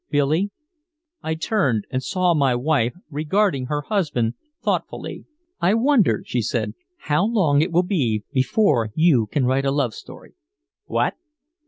"Billy." I turned and saw my wife regarding her husband thoughtfully. "I wonder," she said, "how long it will be before you can write a love story." "What?"